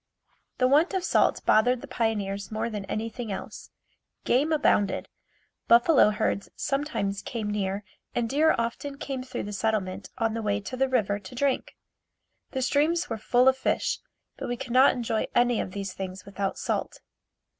The want of salt bothered the pioneers more than anything else. Game abounded. Buffalo herds sometimes came near and deer often came through the settlement on the way to the river to drink. The streams were full of fish, but we could not enjoy any of these things without salt.